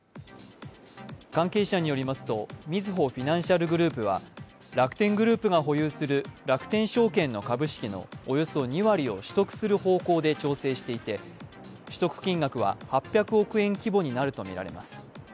関係者によりますとみずほフィナンシャルグループは楽天グループが保有する楽天証券の株式のおよそ２割を取得する方向で調整していて取得金額は８００億円規模になるとみられます。